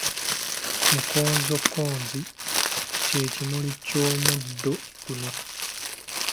Mukonzokonzi kye kimuli ky’omuddo guno.